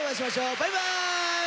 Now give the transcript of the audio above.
バイバーイ！